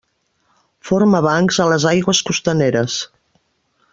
Forma bancs a les aigües costaneres.